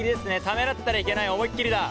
ためらったらいけない思いっきりだ。